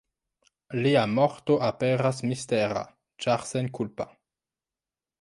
Lia morto aperas mistera ĉar senkulpa.